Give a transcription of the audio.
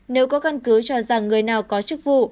nếu có căn cứ cho rằng người nào có chức vụ